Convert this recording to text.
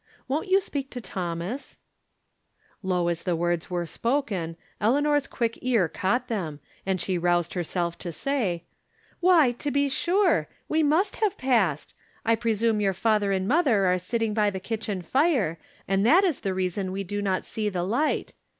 Won't you speak to Thomas ?" Low as the words were spoken, Eleanor's quick ear caught them, and she roused herself to say :" Why, to be siu e ! We must have passed. I presume your father and mother are sjtting by the kitchen fire, and that is the reason we do not see the light.